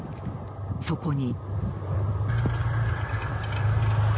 そこに。